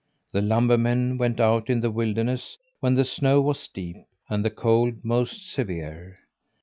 The lumbermen went out in the wilderness when the snow was deep, and the cold most severe.